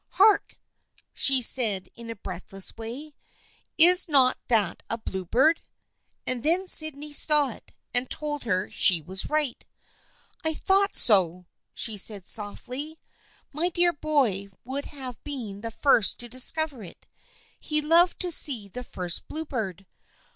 " Hark !" she said in a breathless way. " Is not that a bluebird ?" And then Sydney saw it and told her she was right. " I thought so !" she said softly. " My dear boy would have been the first to discover it. He loved to see the first bluebird.